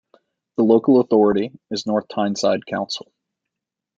The local authority is North Tyneside Council.